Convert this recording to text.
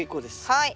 はい。